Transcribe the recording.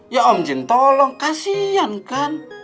ya om jin tolong kasihan kan